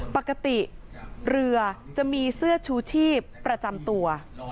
ปกติเรือจะมีเสื้อชูชีพประจำตัว